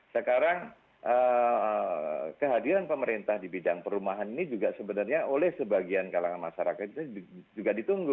sekarang kehadiran pemerintah di bidang perumahan ini juga sebenarnya oleh sebagian kalangan masyarakat itu juga ditunggu